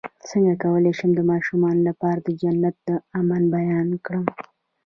څنګه کولی شم د ماشومانو لپاره د جنت د امن بیان کړم